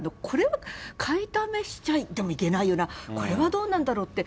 これは買いだめしちゃ、でもいけないよな、これはどうなんだろう？